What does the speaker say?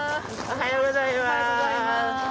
おはようございます。